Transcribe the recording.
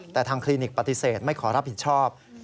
แต่ทางคลินิกปฏิเสธไม่ขอรับผิดชอบ